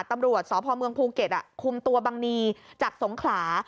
ตำรวจสพเมืองภูเก็ตคุมตัวบังนีจากสงขลา